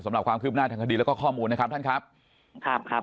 สำหรับความคืบหน้าทางคดีแล้วก็ข้อมูลนะครับท่านครับครับ